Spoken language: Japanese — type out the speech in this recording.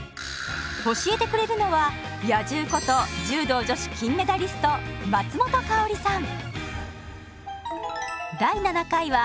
教えてくれるのは「野獣」こと柔道女子金メダリスト松本薫さん。